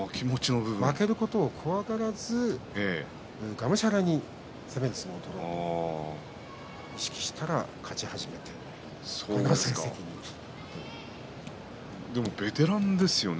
負けることを怖がらずがむしゃらに攻める相撲を取ろうと意識したらでもベテランですよね。